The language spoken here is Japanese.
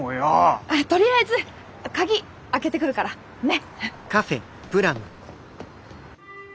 とりあえず鍵開けてくるから。ね！